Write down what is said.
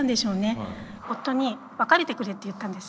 夫に別れてくれって言ったんです。